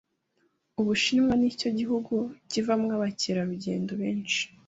Ubushinwa nicyo gihugu kivamo abakerarugendo benshi